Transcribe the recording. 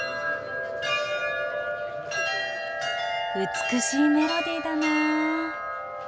美しいメロディーだな。